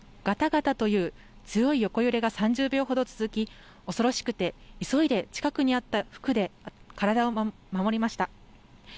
がたがたという強い横揺れが３０秒ほど続き、恐ろしくて、急いで近くにあった服で体を守りました。